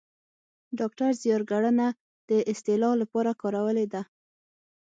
ډاکتر زیار ګړنه د اصطلاح لپاره کارولې ده